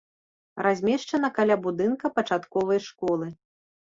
Размешчана каля будынка пачатковай школы.